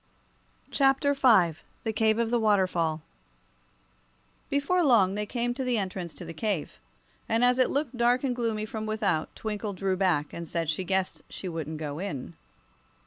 Chapter V The Cave of the Waterfall BEFORE long they came to the entrance to the cave, and as it looked dark and gloomy from without Twinkle drew back and said she guessed she wouldn't go in.